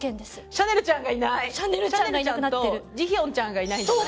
シャネルちゃんとジヒョンちゃんがいないんじゃない？